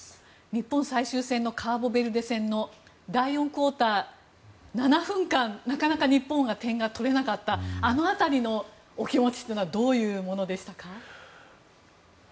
日本最終戦のカーボベルデ戦の第４クオーター７分間なかなか日本が点が取れなかったあの辺りのお気持ちというのはどういうものでしたか？